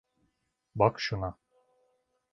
Bak şuna.